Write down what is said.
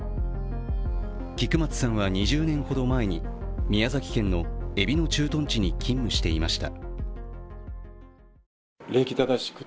菊松さんは２０年ほど前に宮崎県のえびの駐屯地に勤務していました。